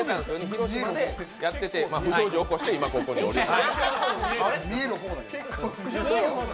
広島でやってて、不祥事起こして、今ここにいるという。